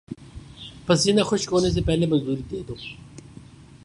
پسینہ خشک ہونے سے پہلے مزدوری دے دو